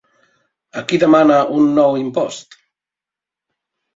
A qui demana un nou impost?